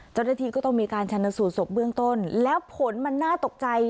เจ้าหน้าที่ก็ต้องมีการชนสูตรศพเบื้องต้นแล้วผลมันน่าตกใจ